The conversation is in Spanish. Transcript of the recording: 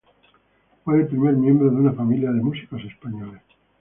Fue el primer miembro de una familia de músicos españoles.